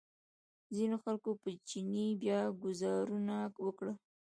ځینو خلکو په چیني بیا ګوزارونه وکړل.